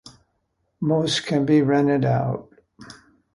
Most can be rented out.